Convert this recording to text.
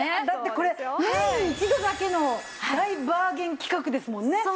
だってこれ年に一度だけの大バーゲン企画ですもんね！